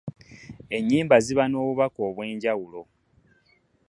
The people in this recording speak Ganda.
Enyimba ziba nobubaka obwenjawulo.